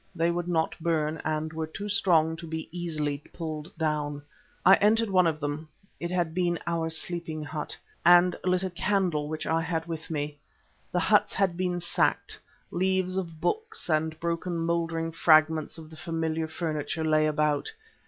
They would not burn, and were too strong to be easily pulled down. I entered one of them—it had been our sleeping hut—and lit a candle which I had with me. The huts had been sacked; leaves of books and broken mouldering fragments of the familiar furniture lay about.